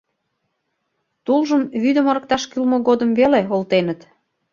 Тулжым вӱдым ырыкташ кӱлмӧ годым веле олтеныт.